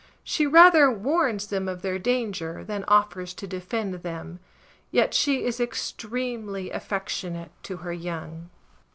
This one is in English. She rather warns them of their danger than offers to defend them; yet she is extremely affectionate to her young.